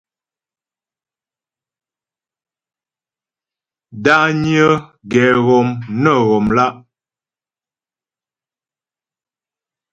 Dányə́ ghɛ́ghɔm nə ghɔmlá'.